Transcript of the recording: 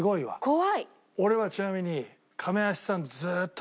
俺はちなみに。